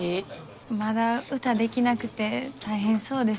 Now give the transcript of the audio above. まだ歌できなくて大変そうです。